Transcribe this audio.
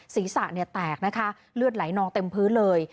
ศีรษะแตกนะคะเลือดไหลนองเต็มพื้นเลย